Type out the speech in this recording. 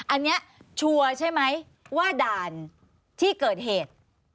อันนี้ชัวร์ใช่ไหมว่าด่านที่เกิดเหตุ